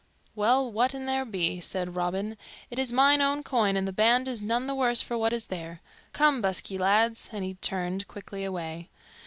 "Well, what an there be," said Robin, "it is mine own coin and the band is none the worse for what is there. Come, busk ye, lads," and he turned quickly away.